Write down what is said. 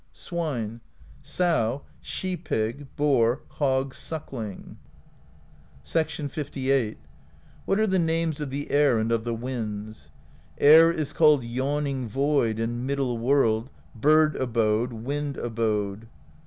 Swine : Sow, she pig, boar, hog, suckling. LVni. "What are the names of the air and of the winds? Air is called Yawning Void and MiddleWorld, Bird Abode, Wind Abode.